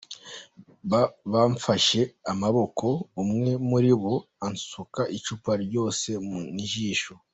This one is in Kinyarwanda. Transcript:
Bamfashe amaboko, umwe muri bo ansuka icupa ryose mu jisho.